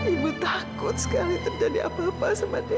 ibu takut sekali terjadi apa apa sama dia